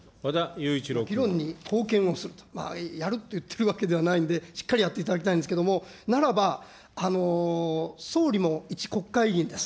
議論に貢献をすると、やるって言ってるわけではないんで、しっかりやっていただきたいんですけども、ならば、総理も一国会議員です。